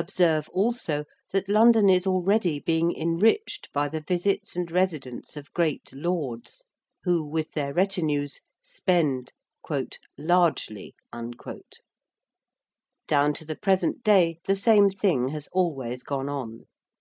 Observe, also, that London is already being enriched by the visits and residence of great lords who, with their retinues, spend 'largely.' Down to the present day the same thing has always gone on.